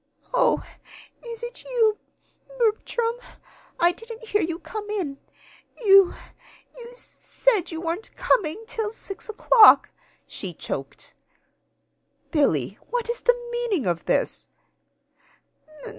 "Oh, is it you, B Bertram? I didn't hear you come in. You you s said you weren't coming till six o'clock!" she choked. "Billy, what is the meaning of this?"